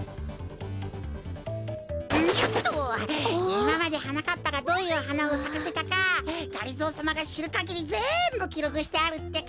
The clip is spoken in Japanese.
いままではなかっぱがどういうはなをさかせたかがりぞーさまがしるかぎりぜんぶきろくしてあるってか！